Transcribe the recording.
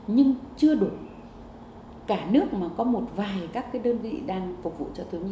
nhưng chưa đủ cả nước mà có một vài các cái đơn vị đang phục vụ cho thiếu nhi